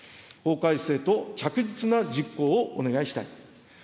法改正と着実な実行をお願いしたい。